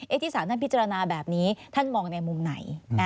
ที่สารท่านพิจารณาแบบนี้ท่านมองในมุมไหน